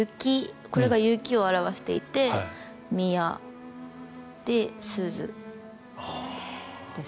これが雪を表していて、宮そして、鈴です。